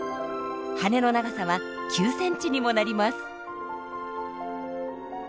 羽の長さは９センチにもなります。